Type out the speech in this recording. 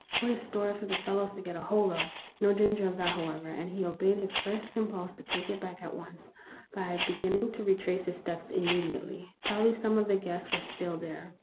What a story for the fellows to get hold of ! No danger of that, however ; and he obeyed his first impulse to take it back at once, by beginning to retrace his steps immediately. Probably some of the guests were still there.